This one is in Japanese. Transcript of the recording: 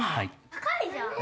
高いじゃん！